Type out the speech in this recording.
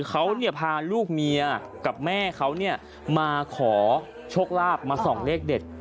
เขาพาลูกเมียกับแม่เขามาขอโชคลาภมาส่องเลขเด็ด